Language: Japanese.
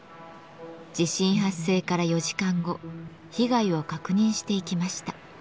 地震発生から４時間後被害を確認していきました。